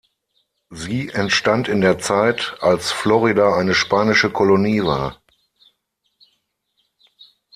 Sie entstand in der Zeit, als Florida eine spanische Kolonie war.